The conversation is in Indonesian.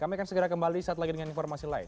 kami akan segera kembali saat lagi dengan informasi lain